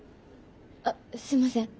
あっすいません。